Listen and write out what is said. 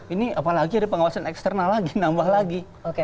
ini apalagi ada pengawasan eksternal lagi nambah lagi